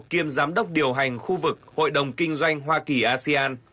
kiêm giám đốc điều hành khu vực hội đồng kinh doanh hoa kỳ asean